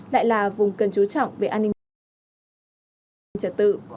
lại là vùng cần chú trọng về an ninh trả tự